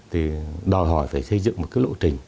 thì đòi hỏi phải xây dựng một lộ trình